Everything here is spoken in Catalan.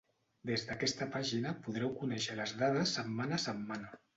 Des d'aquesta pàgina podreu conèixer les dades setmana a setmana.